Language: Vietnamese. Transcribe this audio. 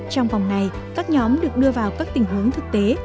trong vòng này các nhóm được đưa vào các tình huống thực tế